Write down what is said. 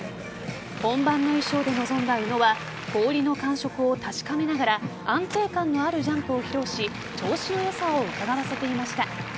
本番の衣装で臨んだ宇野は氷の感触を確かめながら安定感のあるジャンプを披露し調子の良さをうかがわせていました。